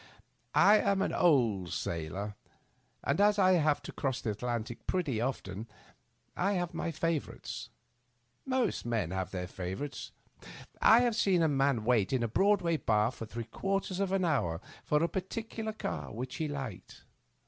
I am an old sailor (said Brisbane), and as I have to cross the Atlantic pretty often, I have my favorites. Most men have their favorites. I have seen a man wait in a Broadway bar for three quarters of an hour for a particular car which he liked.